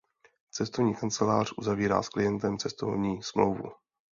Cestovní kancelář uzavírá s klientem "cestovní smlouvu".